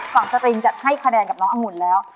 ฝั่งสตริงจะให้คะแนนกับน้องอังุณแล้ว